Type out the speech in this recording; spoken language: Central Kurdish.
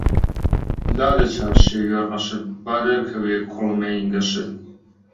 لادە چارشێوی ڕەشت با دەرکەوێ کوڵمەی گەشت